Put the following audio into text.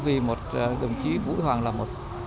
vì một đồng chí vũ huy hoàng là một